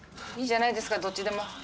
いいじゃないですかどっちでも。